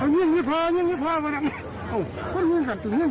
แทนยังเสียชีวิตแล้วอีกต่างหาก